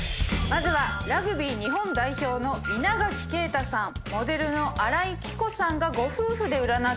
まずはラグビー日本代表の稲垣啓太さんモデルの新井貴子さんがご夫婦で占ってもらったそうです。